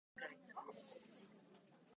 男女間の情事、交接のたとえ。